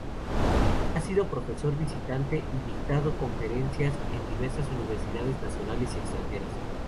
Ha sido profesor visitante y dictado conferencias en diversas universidades nacionales y extranjeras.